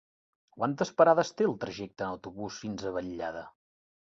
Quantes parades té el trajecte en autobús fins a Vallada?